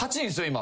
今。